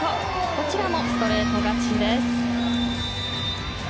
こちらもストレート勝ちです。